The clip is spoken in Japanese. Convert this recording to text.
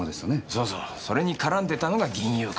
そうそうそれに絡んでたのが銀雄会だ。